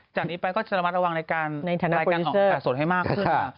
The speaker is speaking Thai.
จากนี้ไปก็จะระมัดระวังในรายการสดให้มากขึ้น